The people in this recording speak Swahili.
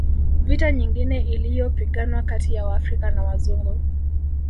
Vita nyingine iliyopiganwa kati ya waafrika na Wazungu